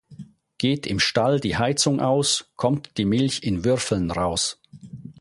Geht im Stall die Heizung aus, kommt die Milch in Würfeln raus.